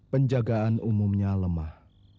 penjagaan umumnya lemah